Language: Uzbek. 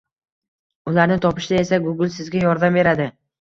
ularni topishda esa Google Sizga yordam beradi